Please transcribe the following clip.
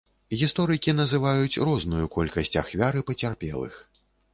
Гісторыкі называюць розную колькасць ахвяр і пацярпелых.